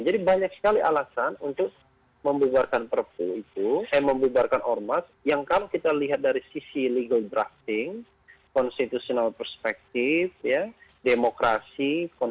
jadi banyak sekali alasan untuk membubarkan or mas yang kalau kita lihat dari sisi legal drafting konstitusional perspektif demokrasi